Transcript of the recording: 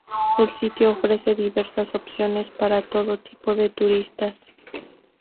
El sitio ofrece diversas opciones para todo tipo de turistas.